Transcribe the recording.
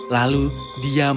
lalu dia menangis